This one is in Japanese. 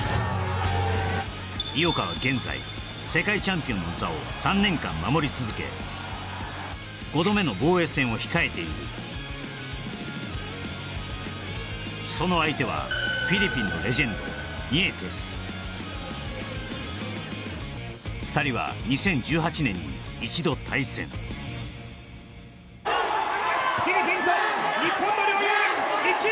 井岡は現在世界チャンピオンの座を３年間守り続け５度目の防衛戦を控えているその相手はフィリピンのレジェンドニエテス２人は２０１８年に一度対戦フィリピンと日本の両雄